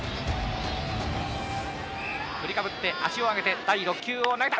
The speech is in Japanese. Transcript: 振りかぶって足を上げて第６球を投げた！